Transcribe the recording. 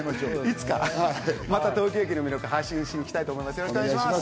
また東京駅の魅力、発信しに来たいと思います。